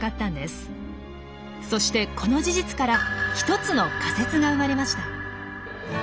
そしてこの事実から１つの仮説が生まれました。